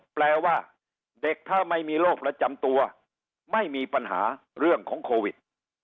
แปลว่าเด็กถ้าไม่มีโรคประจำตัวไม่มีปัญหาเรื่องของโควิด